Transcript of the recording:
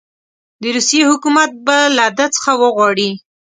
د روسیې حکومت به له ده څخه وغواړي.